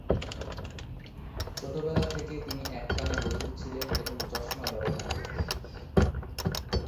ছোটবেলা থেকে তিনি এক কানে বধির ছিলেন এবং চশমা ব্যবহার করতেন।